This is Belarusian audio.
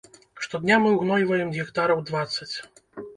Штодня мы ўгнойваем гектараў дваццаць.